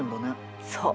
そう。